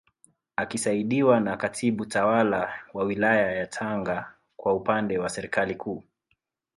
Akisaidiwa na Katibu Tawala wa Wilaya ya Tanga kwa upande wa Serikali Kuu